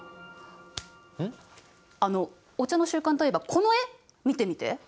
あのお茶の習慣といえばこの絵見てみて。